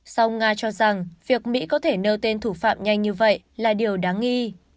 song nga cho rằng việc mỹ có thể nêu tên thủ phạm nhanh như vậy là điều đáng nghi